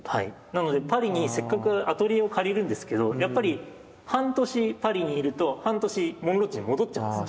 なのでパリにせっかくアトリエを借りるんですけどやっぱり半年パリにいると半年モンロッチに戻っちゃうんです。